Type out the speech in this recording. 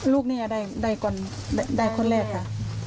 ลูกนี้ได้คนแรกค่ะ